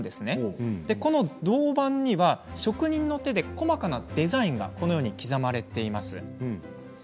この銅板には職人の手で細かなデザインが刻まれています。